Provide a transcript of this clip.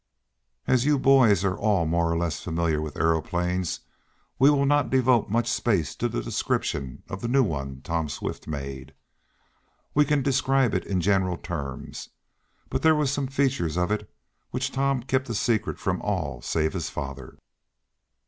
As you boys are all more or less familiar with aeroplanes, we will not devote much space to the description of the new one Tom Swift made. We can describe it in general terms, but there were some features of it which Tom kept a secret from all save his father.